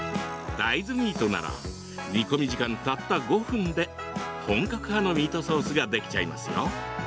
大豆ミートなら煮込み時間たった５分で本格派のミートソースができちゃいますよ。